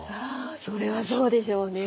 それはそうでしょうね。